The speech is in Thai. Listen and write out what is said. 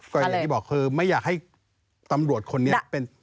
ก็อย่างที่บอกคือไม่อยากให้ตำรวจคนนี้เป็น